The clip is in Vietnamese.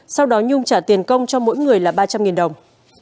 sau đó nhung trả tiền công cho mỗi người là ba trăm linh đồng